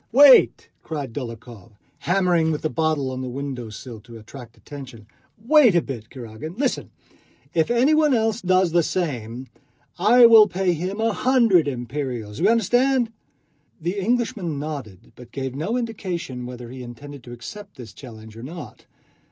"Wait!" cried Dólokhov, hammering with the bottle on the window sill to attract attention. "Wait a bit, Kurágin. Listen! If anyone else does the same, I will pay him a hundred imperials. Do you understand?" The Englishman nodded, but gave no indication whether he intended to accept this challenge or not.